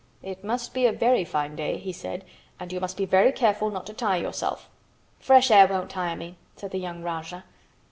"It must be a very fine day," he said, "and you must be very careful not to tire yourself." "Fresh air won't tire me," said the young Rajah.